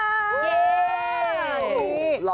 เย้